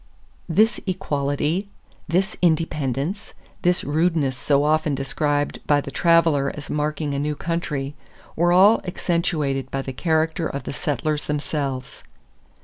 This equality, this independence, this rudeness so often described by the traveler as marking a new country, were all accentuated by the character of the settlers themselves.